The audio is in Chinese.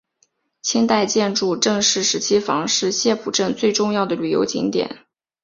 清代建筑郑氏十七房是澥浦镇最重要的旅游景点。